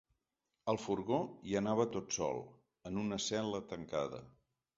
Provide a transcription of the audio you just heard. Al furgó, hi anava tot sol, en una cel·la tancada.